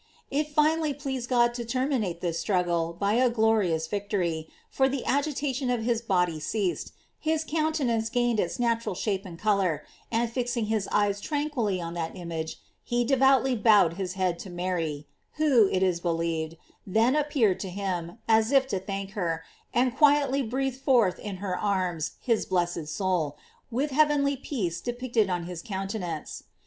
It finally pleased God to terminate this struggle by a glorious victory, for the agita tion of his body ceased, his countenance gained its natural shape and color, and fixing his eyes tranquilly on that image, he devoutly bowed his head to Mary, who, it is believed, then appeared to him, as if to thank her, and quietly breathed forth in her arms his blessed soul, with heavenly peace depicted on his countenance.